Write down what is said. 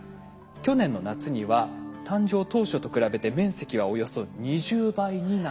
去年の夏には誕生当初と比べて面積はおよそ２０倍になったんです。